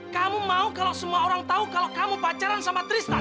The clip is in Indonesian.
kamu mau kalau semua orang tahu kalau kamu pacaran sama tristan